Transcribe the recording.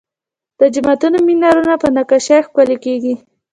د جوماتونو مینارونه په نقاشۍ ښکلي کیږي.